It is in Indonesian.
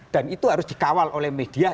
dan itu harus dikawal oleh media